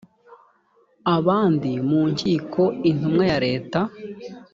abandi mu nkiko intumwa ya leta